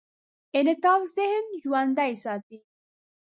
انعطاف ذهن ژوندي ساتي.